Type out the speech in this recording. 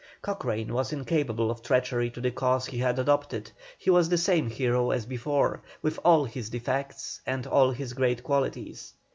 Cochrane was incapable of treachery to the cause he had adopted, he was the same hero as before, with all his defects and all his great qualities.